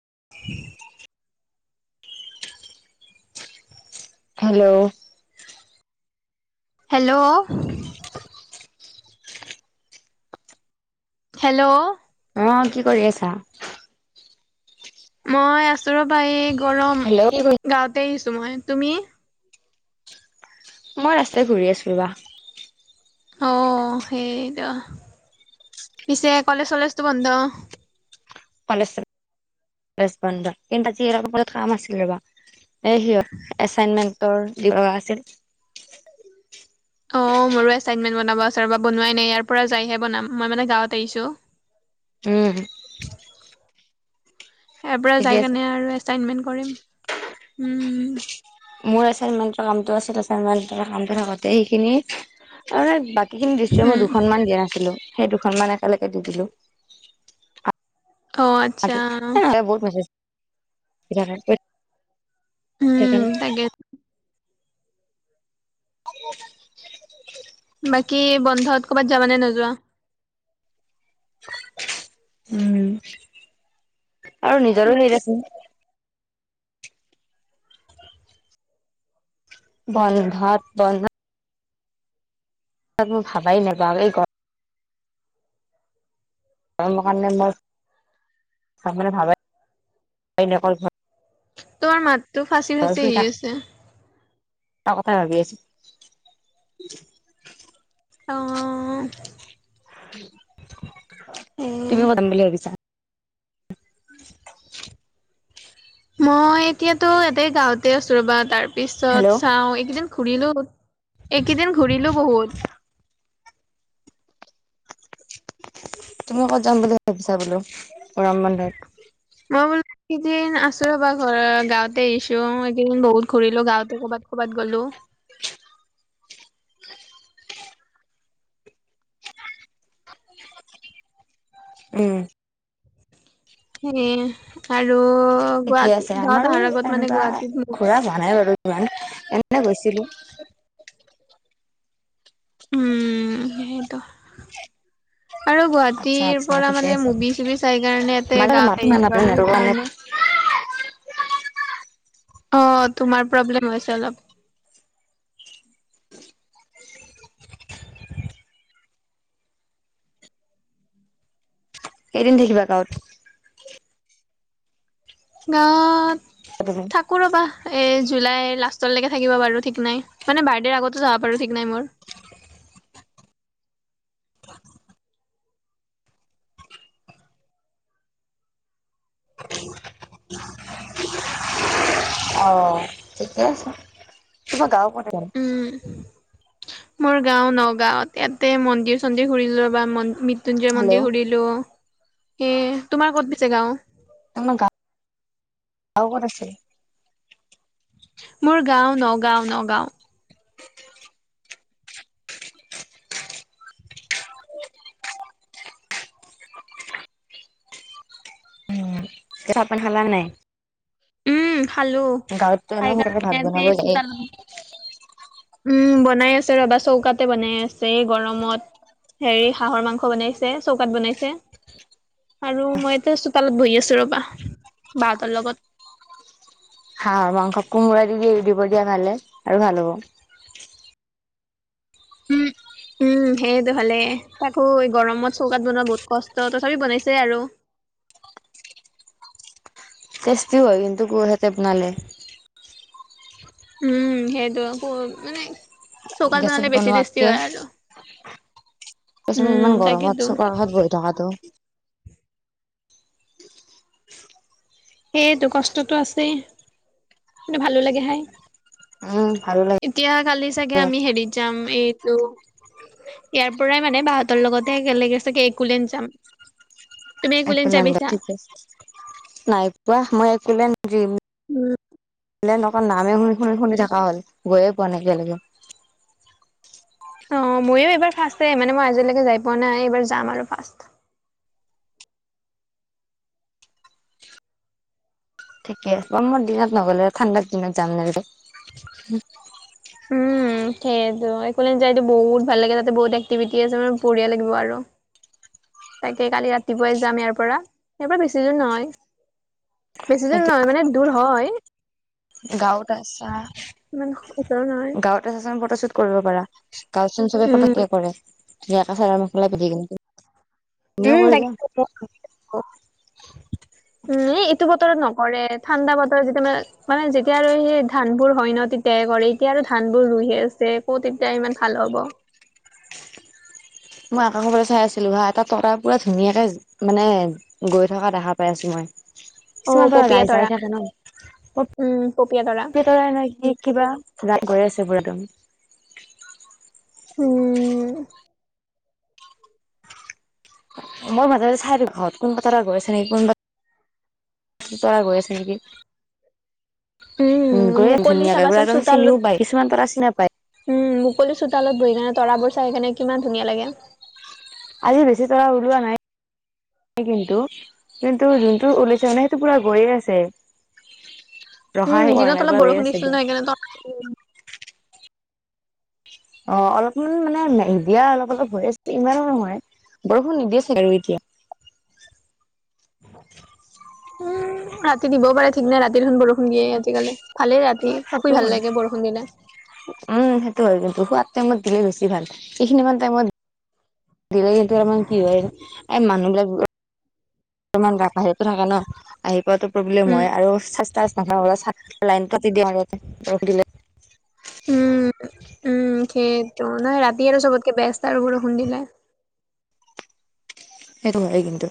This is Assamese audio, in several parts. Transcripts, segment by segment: [inaudible] Hello hello hello! অ, কি কৰি আছা? মই আছো ৰবা, এই গৰম হেল্ল' কি কৰি গাঁৱতে আহিছো মই, তুমি? মই ৰাস্তাত ঘূৰি আছো ৰবা। অহ, সেইত পিছে কলেজ চলেজটো বন্ধ? কলেজ চলেজ বন্ধ, কিন্তু আজি [unintelligible] কাম আছিল ৰবা। এই সিহঁতৰ এচাইনমেন্টৰ দিব লগা আছিল। অ', অহ' মোৰো এচাইন্মেন্ত বনাব আছে ৰবা, বনুৱাই নাই, ইয়াৰ পৰা যায়হে বনাম। মই মানে গাঁৱত আহিছোঁ। উম, ইয়াৰ পৰা ঠিকে যাই আছে কেনে আৰু এচাইনমেন্ট কৰিম, উম, মোৰ এচাইনমেন্টৰ কামটো আছিল, এাইনেন্টৰ কামটো থাকোতে সেইখিনি সিখিনি দৃশ্যই মই উম দুখনমান দিয়া নাছিলো, সেই দুখনমান একেলগে দি দিলো। অ আচ্ছা আজি, এ নহলে বহুত মেছেজ দি থাকে উম সেইকাৰণে। তাকে [inaudible] বাকী, বন্ধত কৰ'বাত যাবা নে নোযোৱা? উম, আৰু নিজৰো হেৰি দেখোন বল ভাত বল ভা তাত মোৰ ভাবাই নাপাওঁেই ক কাৰে মই ভ তোৰ মাতটো ফাঁচি ফাঁচি আহি আছে। ত কথাই ভাবি আছো। অ এ তুমিও কতাম বুলি ভাবিছা [unintelligible] মই এতিয়াতো এতে গাঁওঁতে আছো ৰবা তাৰ হেল্ল' পিছত চাও এইকেইদিন ঘুৰিলো। এইকেইদিন ঘূৰিলো বহুত। তুমি ক'ত যাম বুলি ভাবিছা বোলো বন্ধত? মই বোলো সেইদিন আছো ৰবা ঘৰৰ গাওঁতে আহিছো। য এইকেইদিন বহুত ঘূৰিলো গাঁৱতে কৰ'বাত ক'বাত গলো। উম। সে আৰু ঠিকে গুৱাহাটী আছে গাঁৱত আমাৰো অহাৰ আগত মানে এনেকুৱা গুৱাহাটীত মো- ঘূৰা হোৱা নাই বাৰু ইমান। ন গৈছিলো। উম সেইটো। আৰু আচ্ছা গুৱাহাটীৰ আচ্ছা পৰা ঠিকে মানে আছে মুভি চুভি চাই কাৰণে ইতে মানে মাতো গাত আহিছো নাপাওঁ আৰু নেটৰ কাৰণে সেইকাৰণে। অ তোমাৰ প্ৰব্লেম হৈছে অলপ। কেইদিন থাকিবা গাওঁত? তুমি গাঁৱত থাকো ৰবা এই জুলাই লাষ্টলৈকে থাকিব বাৰু ঠিক নাই মানে বাৰ্থডেৰ আগতো যাবা পাৰু ঠিক নাই মোৰ। [unintelligible] [unintelligible] অ ঠিকে আছে [unintelligible] উম মোৰ গাও নগাঁওত ইয়াতে মন্দিৰ চন্দিৰ ঘুৰিল বা মৃত্যুঞ্জয় হেল্ল' মন্দিৰ ঘূৰিলো সেই তোমাৰ ক'ত পিছে গাওঁ? গাওঁ কত আছে? মোৰ গাঁও নগাঁও নগাঁও। [unintelligible] [unintelligible] হালা নাই উম খালো গাঁৱততো এনেও সোনকালে ভাত বনাব যায়েই [unintelligible] উম বনাই আছে ৰবা চৌকাতে বনাই আছে গৰমত। হেৰি হাঁহৰ মাংস বনাইছে চৌকাত বনাইছে। আৰু মই এতিয়া চোতালত বহি আছো ৰবা বাহঁতৰ লগত। হাঁ মাংস কোমোৰা দি দি দিব দিয়া ভালে আৰু ভাল হ'ব। উম। উম সেইটো ভালে তাকো গৰমত চৌকাত বনোৱা বহুত কষ্ট তথাপি বনাইছে আৰু। টেষ্টি হয় কিন্তু গোৰহতে বনালে। উম সেইটো আকৌ মানে চৌকাত গেছত বনালে বেছি টেষ্টি বনোৱাতকে হয় আৰু। তাৰ পিছত উম, ইমান গৰমত তাকেতো চৌকাৰ কাশত হি থকাতটো সেইটো কষ্টটো আছেই কিন্তু ভালো লাগে তাই। উম ভালো লাগে এতিয়া কালি চাগে আমি হেৰিত যাম এইটো ইয়াৰ পৰাই মানে বাহঁতৰ লগতে একেলগে চাগে একলেন যাম। তুমি একোলেন যাই পাইছা? [unintelligible] নাই পোৱা মই এক দিম। উম। একলেন নামেই শুনি শুনি শুনি থকা হল গৈয়ে পোৱা নাই একালৈকে। অ' মইয়ো এইবাৰ ফাষ্ট মানে মই আজিলৈকে যাই পোৱা নাই এইবাৰ যাম আৰু ফাষ্ট। ঠিকে আছে গৰমৰ দিনত নগলে ঠাণ্ডাৰ দিনত যাম নেকি সেইো একোলে যাই বহুত ভাল লাগে তাতে বহুত এক্টিভিটি আছে মানে বঢ়িয়া লাগিব আৰু তাকে কালি ৰাতিপুৱাই যাম ইয়াৰ পৰা, ইয়াৰ পৰা বেছি দোৰ নহয়। বেছি দূৰ নহয় মানে দূৰ হয় গাঁৱত আছা ইমান ওচৰো নহয় গাঁৱতে চচ ফটোশ্বুট কৰিব পাৰা গাঁ চ চবে ফটো উম কৰে চাৰৰ মাখেলাই পিধি কিনি উম' তাকে [unintelligible] উম' ইটো বতৰত নহ কৰে, ঠাণ্ডা বতৰ যেতিয়া মানে মানে যেতিয়া আৰু সেই ধান বোৰ হয় ন তেতিয়াহে কৰে, এতিয়া আৰু ধান বোৰ ৰুই আছে, ক'ত এতিয়া ইমান ভাল হ'ব। মই আকৌ ক'বলৈ চাই আছিলো হা, এটা টকা পুৰা ধুনীয়াকে মানে গৈ থকা দেখা পাই আছো মই অ কিছুমান তৰা পপীয়া যাই, যাই থাকে ন উম পপীয়া তৰা [unintelligible] গৈ আছে পোৰা একদম। উম' মই মাজে মাজে চাই দিও ঘৰত কোনবা তৰা গৈ আছে নেকি কোনবা তৰা গৈ আছে নেকি [inaudible] উম গৈ মুকলি ধুনীয়াকে পোৰা চাবাচোন একদম চোতালত চিনিও পায়, কিছুমান তাৰ চিনিও পায়। উম' মুকলি চোতালত বহি কিনে তৰা বৰ চাই কিনে কিমান ধুনীয়া লাগে আজি বেছি তৰা ওলোৱা নাই। কিন্তু, কিন্তু যোনটো উলাইছে মানে সেইটো পুৰা গৈয়ে আছে উম ৰখাই কৰা দিনত নাই, অলপ পৰা বৰষুণ আছে দিছিল ন একদম। সেইকাৰণে তৰা অ' অলপমান মানে দিয়া অলপ অলপ হৈ আছে ইমানো নহয়। বৰষুণ নিদিয়ে চাগৈ এতিয়া। [inaudible] উম' ৰাতি দিবও পাৰে ঠিক নাই, ৰাতি দেখোন বৰষুণ দিয়েই আজিকালি। ভালেই অ ৰাতি, সেইটো শুই ভাল হয় লাগে বৰষুণ দিলে। উম' সেইটো হয় কিন্তু, শুৱাৰ টাইমত দিলে বেছি ভাল, সেইখিনিমান টাইমত দিলে তাৰমানে কি হয় আৰু এ' মানুহ বিলাক বাহিৰতো থাকে ন, আহি পোৱাটো প্ৰব্লেম উম হয় আৰু চেষ্টা [unintelligible] লাইন দিয়ে মাজতে ৰৈ দিলে উম' উম' সেইকাৰণে, ৰাতি আৰু চবতকে বেস্ত আৰু বৰষুণ দিলে। সেইটো হই কিন্ত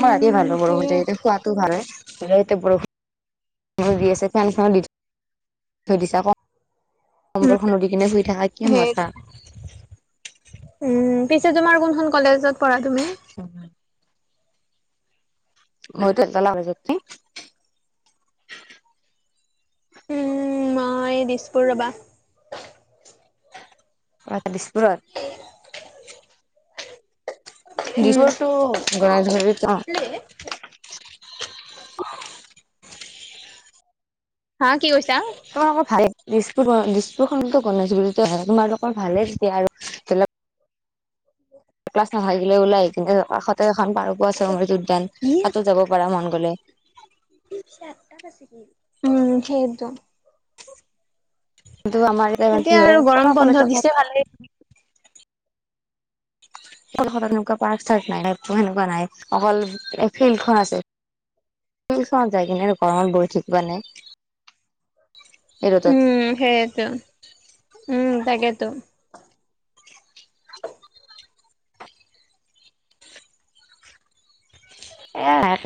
মই ৰাতিয়ে ভাল পাওঁ সেয়ে বৰষুণতে, এইটো শুৱাটোও ভাল হয়। এ বৰষুণ দি আছে, ফেন খনো দি থৈ দিছা আকৌ উম কম্বল খন দি কিনে শুই থকা, কি সেই মজা উম' পিছে তোমাৰ কোনখন কলেজত পঢ়া তুমি? [inaudible] মই টো [unintelligible] উম', মই দিছপুৰ ৰবা আ' দিছপুৰত? দিছপুৰতটো গণেশগুৰিত। অ খালীয়েনে অ' হা কি কৈছা? তোমালোকৰ ভাল, দিছপুৰ অ' দিছপুৰখনটো গণেশগুৰিতে হয়, তোমালোকৰ ভালেই তেতিয়া আৰু ধৰি লওক ক্লাছ [unintelligible] ওলাই আহি কিনি কাষতে এখন পাৰকো আছে অমৃত উদ্যান, ই তাতো যাব পাৰা মন গলে [inaudible] উম সেইটো। কিন্তু আমাৰ কি এতিয়া হয় আৰু গৰম বন্ধ কলেজত দিছে ভালেই। [inaudible] এনেকুৱা পাৰ্ক চাই নাইাই সেনেুৱা নাই অকল এ ফিল্ডখন আছে। ফিল্খনত যাই কিনে কমান বৈ থঠিকিব নাই। উম সেইটো, উম তাকেতো।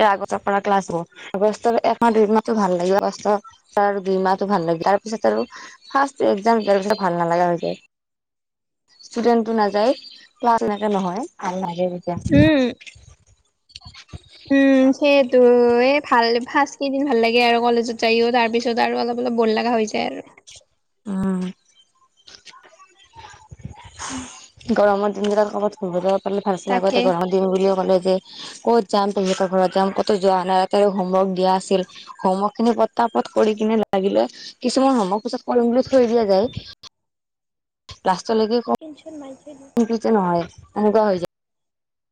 এে আগৰ পৰা ক্লাছ হ আগষ্টৰ এমাহ দুইদিনাহো ভাল লাগে অগষ্টৰ তাৰিন সো ভাল লাগে তাৰ পিছত আৰু ফাৰ্ষ এক্াম দিয়াৰ পিছত ভাল নালাগা হৈ যায়। [inaudible] ষ্টুডেণ্টটো নাযায়, ক্লাছ এনেকে নহয়। উম [inaudible] উম সেইটো এই ভাল ফাৰ কেইদিন ভাল লাগে আৰু কলেজত যায়ও তাৰ পিছত আৰু অলপ অলপ বৰ লগা হৈ যায় আৰু। উম। গৰমৰ দিনবিলাক ক'বাত ঘব ভালছিলে তাকে আগতে গ্ৰহৰ দিন বুলিও ক'লে যে ক'ত যাম তেতৰ ঘৰত যাম ক'তো যোৱা নাই ত হোমৱৰ্ক দিয়া আছিল হোমৱৰ্ক খিনি পটাপট কৰি কিনে লাগিলে কিছুমান সময় পিছত কলম বুলি থৈ দিয়া যায়। লাষ্টলৈকে ক, নহয় এনেকুৱা হৈ যায়।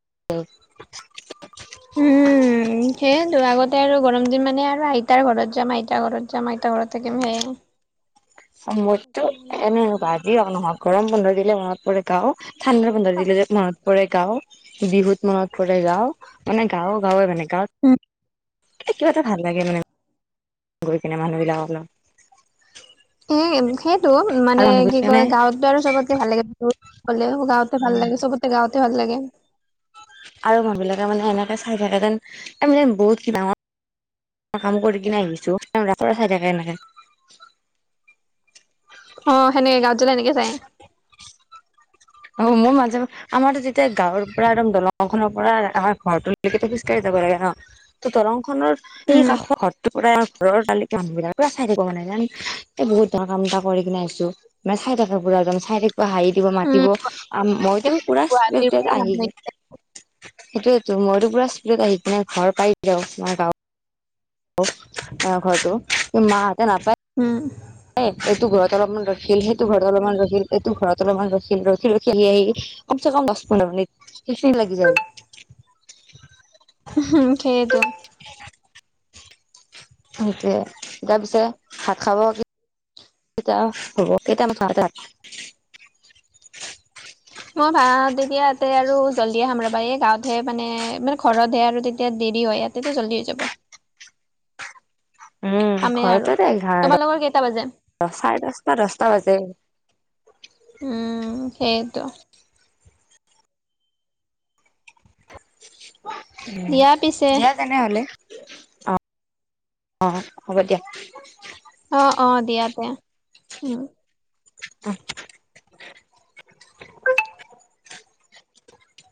[inaudible] উম উম। উম সেইয়েতো আগতে আৰু গৰম দিন মানে আৰু আইতাৰ ঘৰত যাম আইতাৰ ঘৰত যাম আইতাৰ ঘৰত থাকিম সেয়ে। [inaudible] মইতো এনে ভাজি নহ গৰম বোধৰ দিলে মনত পৰে গাও। ঠাণ্ডাৰ বন্ধা দিলে যে মনত পৰে গাওঁৰ, বিহুত মনত পৰে গাওঁৰ, মানে গাও গাওঁৰ মানকে কিবা এটা ভাল লাগে মানে। গৈ কিনে মানুহবিলাক এ সেইটো মানে কি কয় মানে গাঁৱতো আৰু চবতকে ভাল লাগে কলে গাওঁতে ভাল উম লাগে, সবতে গাওঁতে ভাল লাগে। আৰু মানুহবিলাকে মানে এনেকে চাই থাকে যেন আমি যেন বহুত ক ডাঙৰ কাম কৰি কিনে আহিছো চাই থাকে এনেকে। অ' সেনেকে গাওঁত এনেকে চায়। অ' মোৰ মাজে, আমাৰো যেতিয়া গাঁৱৰ পৰা একদম দলংখনৰ পৰা আমাৰ ঘৰটোলৈক খোজকাঢ়ি যাব লাগে। ন ত দৰং খনৰ সেই উম, কাষৰ ঘৰটোৰ পৰাই ঘৰৰ তালিকা মানুহ বিলাক চাই থাকিব মানে আমি এ বহুত ধৰ কাম এটা কৰি কিনে আহিছো, মানে চাই তে ব চি তিবা হাঁহি দিব মাতি দিব, উম, মইতো পুৰা গুৱাহাটীৰ পৰা ভাল আহি য লাগে। সেইটোয়ো মইতো পুৰা স্কুলত আহি কিনে ঘৰ পাৰিলো, তোমাৰ গাঁৱত [unintelligible] উম। এ এইটো ঘৰত অলপমান ৰখিল, সেইটো ঘৰত অলপমান ৰখিল, এইটো ঘৰত অলপমান ৰখিল ৰখি ৰখি আহি আহি কম চ কম দহ পন্ধৰ মিনিট, সেইখিনি লাগি যায়। [inaudible] সেইটো। সেইটোয়ে, তাৰ পিছে শাক খাব কি এটিয়া হ'ব কেইটা ম চ [inaudible] জল্দি আহাম ৰব এই গাঁৱতহে মানে মানে ঘৰতহে আৰু তেতিয়া দেৰি হয় ইয়াতেতো জল্দি হৈ যাব। উম খামেই আৰু ঘৰতে দে, ঘ তোমালোকৰ কেইটা বাজে চাৰে দহটা দহটা বাজে। উম সেইটো। উম দিয়া পিছে দিয়া তেনেহ'লে। অ', অ', হ'ব দিয়া। অ', অ', দিয়া দিয়া, উম। [unintelligible]